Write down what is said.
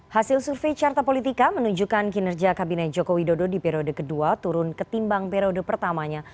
hasil survei carta politika menunjukkan kinerja kabinet jokowi dodo di periode kedua turun ketimbang periode pertamanya